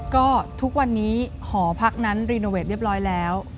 ก็ทุกวันนี้หอพักนั้นรีโนเวทเรียบร้อยแล้ว